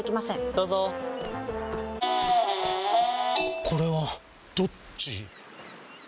どうぞこれはどっち？